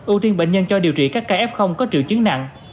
ưu tiên bệnh nhân cho điều trị các ca f có triệu chứng nặng